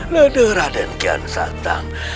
lederah dan kian satang